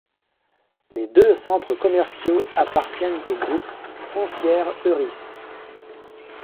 Les deux centres commerciaux appartiennent au groupe Foncière Euris.